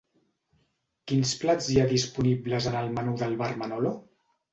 Quins plats hi ha disponibles en el menú del bar Manolo?